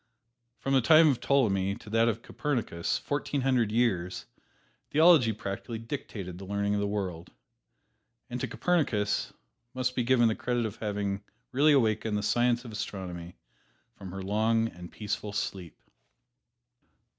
From the time of Ptolemy to that of Copernicus fourteen hundred years theology practically dictated the learning of the world. And to Copernicus must be given the credit of having really awakened the science of astronomy from her long and peaceful sleep.